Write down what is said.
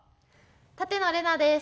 舘野伶奈です。